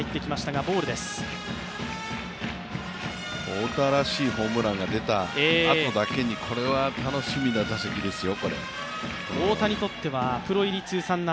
大田らしいホームランが出たあとだけにこれは楽しみな打席ですよ。